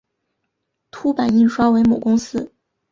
凸版印刷为母公司。